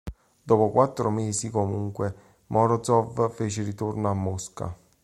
Dopo quattro mesi, comunque, Morozov fece ritorno a Mosca.